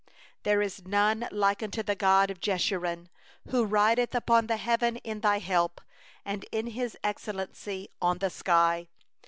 26There is none like unto God, O Jeshurun, Who rideth upon the heaven as thy help, And in His excellency on the skies.